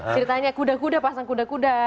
ceritanya kuda kuda pasang kuda kuda